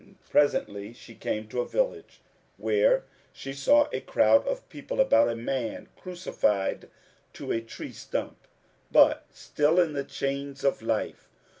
Presently, she came to a village, where she saw a crowd of people about a man crucified to a tree stump, but still in the chains of life.